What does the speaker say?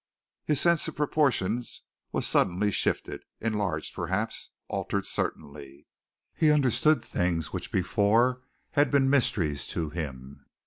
His sense of proportions was suddenly shifted, enlarged, perhaps, altered certainly. He understood things which before had been mysteries to him.